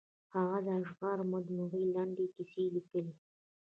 هغه د اشعارو مجموعې، لنډې کیسې لیکلي.